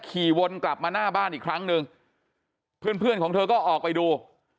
ขี่วนกลับมาหน้าบ้านอีกครั้งหนึ่งเพื่อนเพื่อนของเธอก็ออกไปดู